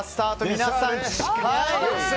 皆さん、近い！